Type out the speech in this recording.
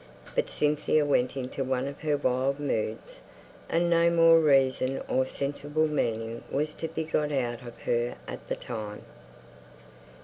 But Cynthia went into one of her wild moods, and no more reason or sensible meaning was to be got out of her at the time.